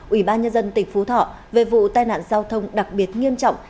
ủy ban nhân dân tỉnh phú thọ về vụ tai nạn giao thông đặc biệt nghiêm trọng